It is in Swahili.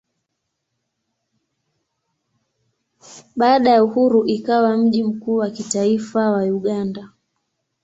Baada ya uhuru ikawa mji mkuu wa kitaifa wa Uganda.